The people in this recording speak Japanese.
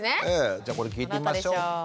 じゃあこれ聞いてみましょうか。